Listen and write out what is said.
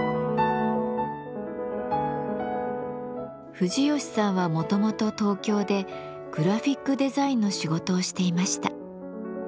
藤吉さんはもともと東京でグラフィックデザインの仕事をしていました。